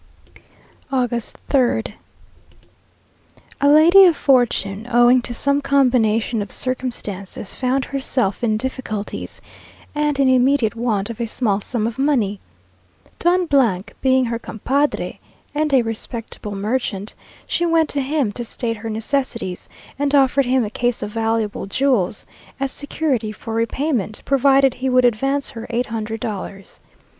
August 3rd. A lady of fortune, owing to some combination of circumstances, found herself in difficulties, and in immediate want of a small sum of money. Don being her compadre, and a respectable merchant, she went to him to state her necessities, and offered him a case of valuable jewels as security for repayment, provided he would advance her eight hundred dollars.